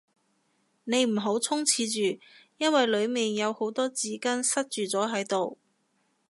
你唔好衝廁住，因為裏面有好多紙巾塞住咗喺度